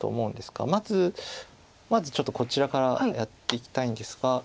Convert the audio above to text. まずちょっとこちらからやっていきたいんですが。